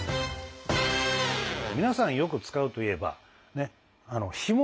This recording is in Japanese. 皆さんよく使うといえば干物。